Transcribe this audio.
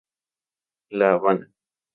La Habana.